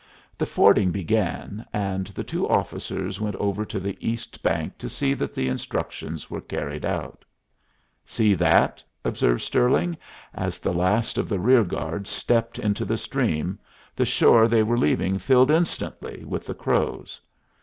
The fording began, and the two officers went over to the east bank to see that the instructions were carried out. "See that?" observed Stirling. As the last of the rear guard stepped into the stream, the shore they were leaving filled instantly with the Crows.